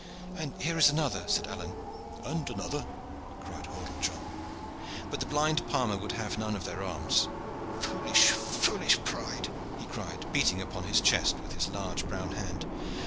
"And here is another," said Alleyne. "And another," cried Hordle John. But the blind palmer would have none of their alms. "Foolish, foolish pride!" he cried, beating upon his chest with his large brown hand.